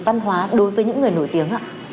văn hóa đối với những người nổi tiếng ạ